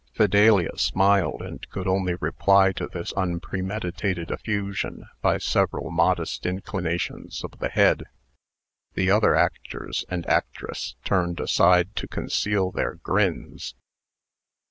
Fidelia smiled, and could only reply to this unpremeditated effusion by several modest inclinations of the head. The other actors and actress turned aside to conceal their grins.